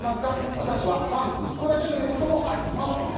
私は、パン１個だけということもあります。